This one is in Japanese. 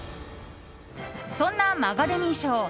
そんなマガデミー賞。